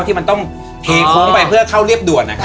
ที่มันต้องเทโค้งไปเพื่อเข้าเรียบด่วน